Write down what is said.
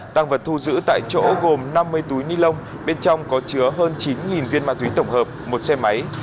tăng vật thu giữ tại chỗ gồm năm mươi túi ni lông bên trong có chứa hơn chín viên ma túy tổng hợp một xe máy